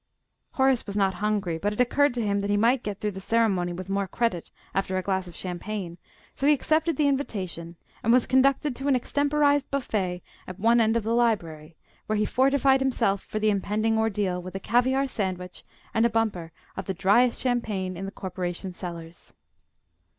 Horace was not hungry, but it occurred to him that he might get through the ceremony with more credit after a glass of champagne; so he accepted the invitation, and was conducted to an extemporised buffet at one end of the Library, where he fortified himself for the impending ordeal with a caviare sandwich and a bumper of the driest champagne in the Corporation cellars.